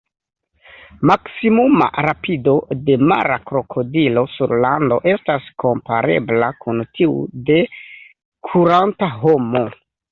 Maksimuma rapido de mara krokodilo sur lando estas komparebla kun tiu de kuranta homo.